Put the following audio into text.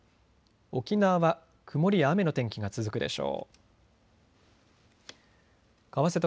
沖縄は曇りや雨の天気が続くでしょう。